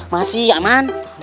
masih ya man